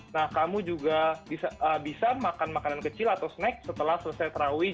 nah kamu juga bisa makan makanan kecil atau snack setelah selesai terawih